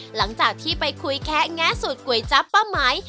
หลังจากที่ไปคุยแคะแงะสูตรก๋วยจั๊บป้าไหม